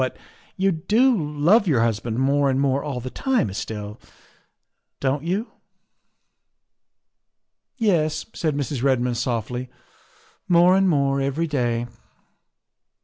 But you do love your husband more and more all the time, Estelle, don't you?" " Yes," said Mrs. Redmond softly, " more and more every day."